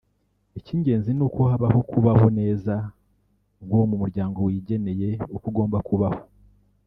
icy’ingenzi n’uko habaho kubaho neza k’uwo muryango wigeneye uko ugomba kubaho